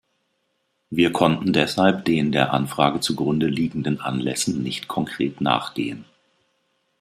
Wir konnten deshalb den der Anfrage zugrunde liegenden Anlässen nicht konkret nachgehen.